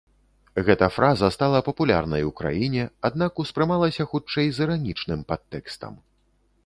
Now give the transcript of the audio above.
Гэта фраза стала папулярнай у краіне, аднак успрымалася хутчэй з іранічным падтэкстам.